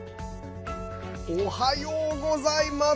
おはようございます。